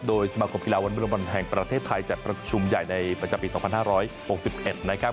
โดยสมัครกรมกีฬาวนวลบอลแห่งประเทศไทยจัดประชุมใหญ่ในประจำปีสองพันห้าร้อยหกสิบเอ็ดนะครับ